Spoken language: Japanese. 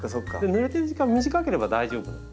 ぬれてる時間短ければ大丈夫なんですね。